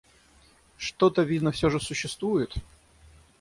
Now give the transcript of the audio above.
Что-то, видно, всё же существует?